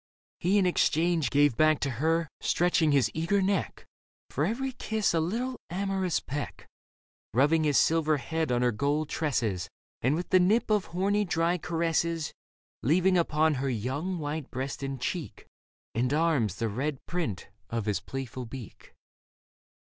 He, in exchange, 17 1 8 Leda Gave back to her, stretching his eager neck, For every kiss a Httle amorous peck ; Rubbing his silver head on her gold tresses, And with the nip of horny dry caresses Leaving upon her young white breast and cheek And arms the red print of his playful beak.